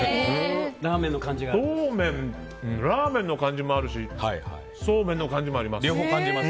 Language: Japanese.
ラーメンの感じもあるしそうめんの感じもあります。